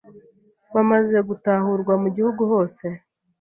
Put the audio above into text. bamaze gutahurwa mu Gihugu hose